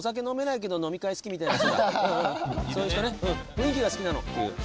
雰囲気が好きなのっていう。